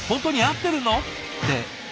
って。